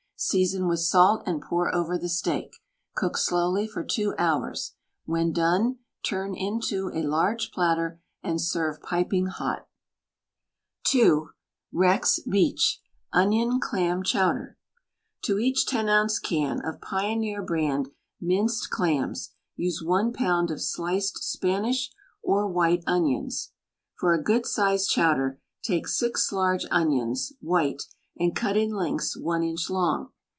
Season with salt and pour over the steak; cook slowly for two hours. When done turn into a large platter and serve piping hot. THE STAG COOK BOOK II Rex Beach ONION CLAM CHOWDER To each lo oz. can of Pioneer Brand Minced Clams use I pound of sliced Spanish or white onion. For a good sized chowder take six large onions (white) , and cut in lengths one inch long.